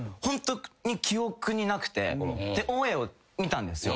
オンエアを見たんですよ。